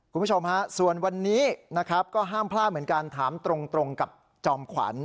คุณผู้ชมฮะส่วนวันนี้นะครับก็ห้ามพลาดเหมือนกันถามตรงกับจอมขวัญ